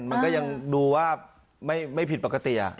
มันก็ยังดูว่าไม่ผิดปกติ